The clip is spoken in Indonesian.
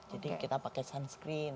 jadi kita pakai sunscreen